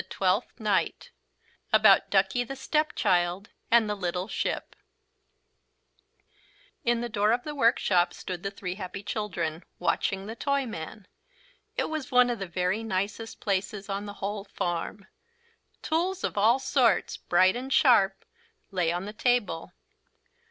TWELFTH NIGHT ABOUT DUCKIE THE STEPCHILD AND THE LITTLE SHIP In the door of the workshop stood the three happy children, watching the Toyman. It was one of the very nicest places on the whole farm. Tools of all sorts, bright and sharp, lay on the table.